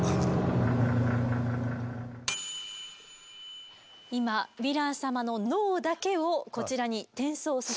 今ヴィラン様の脳だけをこちらに転送させました。